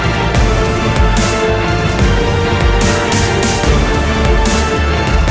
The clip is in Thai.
รายการต่อไปนี้เหมาะสำหรับผู้ชมที่มีอายุ๑๓ปีควรได้รับคำแนะนำ